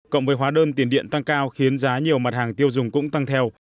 cộng với hóa đơn tiền điện tăng cao khiến giá nhiều mặt hàng tiêu dùng cũng tăng theo